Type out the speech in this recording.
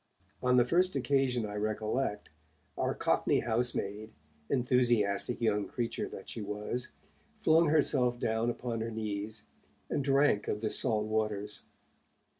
On the first occasion I recollect, our Cockney housemaid, enthusiastic young creature that she was, flung herself down upon her knees, and drank of the salt waters.